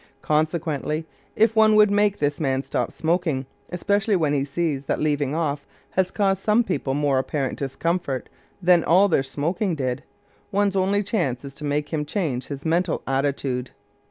Consequently, if one would make this man stop smoking, especially when he sees that leaving off has caused some people more apparent discomfort than all their smoking did, one's only chance is to make him change his mental attitude.